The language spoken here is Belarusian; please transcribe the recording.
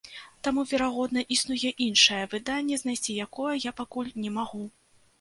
Таму, верагодна, існуе іншае выданне, знайсці якое я пакуль не магу.